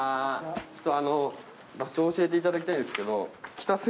ちょっとあの場所教えていただきたいんですけど。